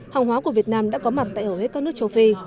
hòng hóa của việt nam đã có mặt tại ở hết các nước châu phi